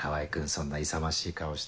そんな勇ましい顔して。